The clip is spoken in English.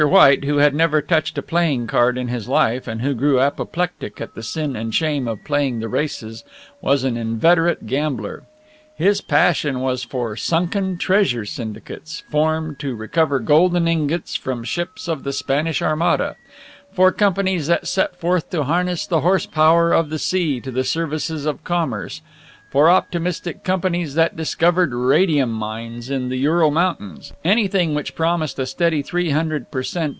White, who had never touched a playing card in his life and who grew apoplectic at the sin and shame of playing the races, was an inveterate gambler. His passion was for Sunken Treasure Syndicates, formed to recover golden ingots from ships of the Spanish Armada; for companies that set forth to harness the horse power of the sea to the services of commerce; for optimistic companies that discovered radium mines in the Ural Mountains anything which promised a steady three hundred per cent.